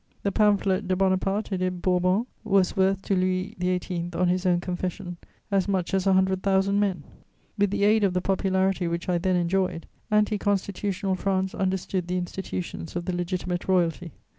The pamphlet De Bonaparte et des Bourbons was worth to Louis XVIII., on his own confession, as much as a hundred thousand men. With the aid of the popularity which I then enjoyed, anti Constitutional France understood the institutions of the Legitimate Royalty.